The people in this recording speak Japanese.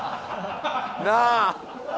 なあ！